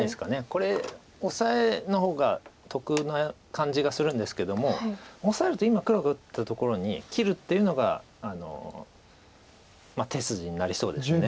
これオサエの方が得な感じがするんですけどもオサえると今黒が打ったところに切るっていうのが手筋になりそうですよね